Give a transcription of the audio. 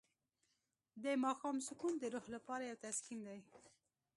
د ماښام سکون د روح لپاره یو تسکین دی.